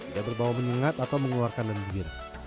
tidak berbawa menyengat atau mengeluarkan lembir